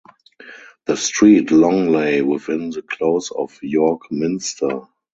The street long lay within the close of York Minster.